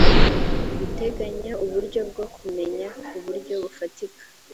guteganya uburyo bwo kumenya ku buryo bufatika